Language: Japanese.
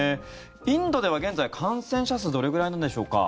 インドでは現在、感染者数どれくらいなんでしょうか？